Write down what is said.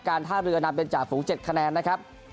ท่าเรือนำเป็นจ่าฝูง๗คะแนนนะครับ